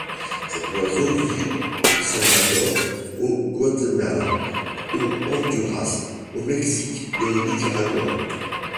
Cet oiseau vit au Salvador, au Guatemala, au Honduras, au Mexique et au Nicaragua.